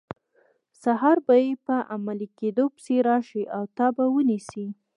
سهار به یې په عملي کیدو پسې راشي او تا به ونیسي.